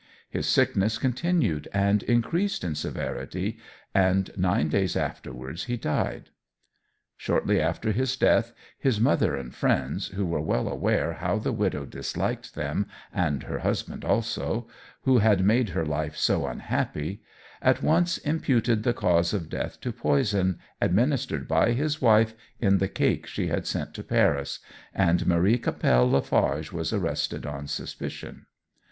His sickness continued and increased in severity, and nine days afterwards he died. Shortly after his death his mother and friends, who were well aware how the widow disliked them and her husband also, who had made her life so unhappy, at once imputed the cause of death to poison administered by his wife in the cake she had sent to Paris, and Marie Cappelle Lafarge was arrested on suspicion.